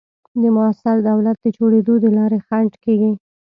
د موثر دولت د جوړېدو د لارې خنډ کېږي.